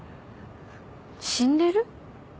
死んでる？